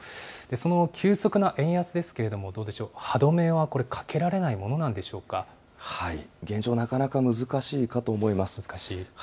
その急速な円安ですけれども、どうでしょう、歯止めはこれ、かけ現状、なかなか難しいかと思難しい？